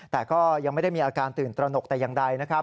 แต่ก็ยังไม่ได้มีอาการตื่นตระหนกแต่อย่างใดนะครับ